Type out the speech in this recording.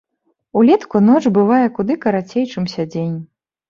Улетку ноч бывае куды карацей, чымся дзень.